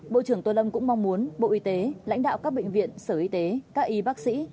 bộ trưởng tô lâm cũng mong muốn bộ y tế lãnh đạo các bệnh viện sở y tế các y bác sĩ